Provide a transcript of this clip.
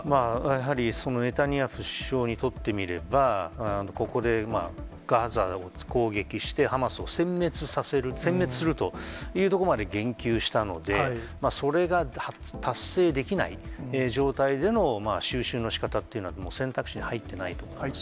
やはり、そのネタニヤフ首相にとってみれば、ここでガザを攻撃してハマスをせん滅させる、せん滅するというところまで言及したので、それが達成できない状態での収拾のしかたというのは、選択肢に入入っていない。